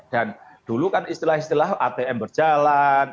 dan dulu kan istilah istilah atm berjalan